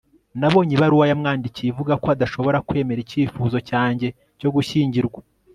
Nabonye ibaruwa yamwandikiye ivuga ko adashobora kwemera icyifuzo cyanjye cyo gushyingirwa